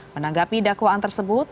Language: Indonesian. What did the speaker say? menanggapi dakwaan tersebut